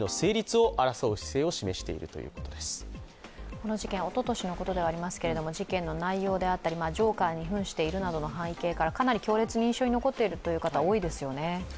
この事件、おととしのことではありますけれども事件の内容であったりとかジョーカーにふんしているといったことからかなり強烈に印象に残っているという方、多いですよね。